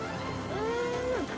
うん！